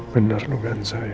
benar bukan saya